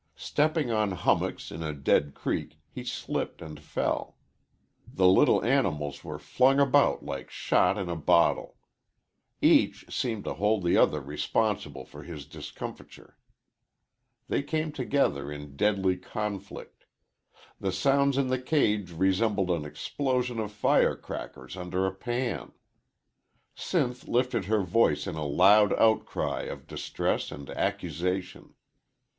Stepping on hummocks in a dead creek, he slipped and fell. The little animals were flung about like shot in a bottle. Each seemed to hold the other responsible for his discomfiture. They came together in deadly conflict. The sounds in the cage resembled an explosion of fire crackers under a pan. Sinth lifted her voice in a loud outcry of distress and accusation.